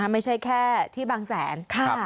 ไม่ใช่แค่ที่บางแสน